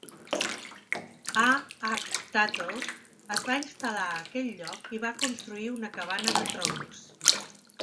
A. H. Tuttle es va instal·lar a aquell lloc i va construir una cabana de troncs.